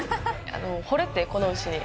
ほれてこの牛に。